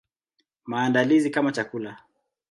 Maandalizi kama chakula.